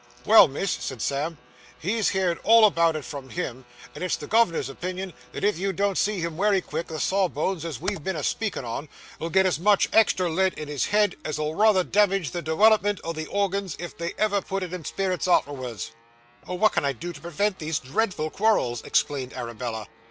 'Well, miss,' said Sam, 'he's heerd all about it from him; and it's the gov'nor's opinion that if you don't see him wery quick, the sawbones as we've been a speakin' on, 'ull get as much extra lead in his head as'll rayther damage the dewelopment o' the orgins if they ever put it in spirits artervards.' 'Oh, what can I do to prevent these dreadful quarrels!' exclaimed Arabella.